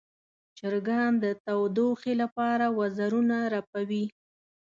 چرګان د تودوخې لپاره وزرونه رپوي.